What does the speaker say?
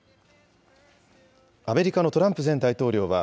アメリカのトランプ前大統領は、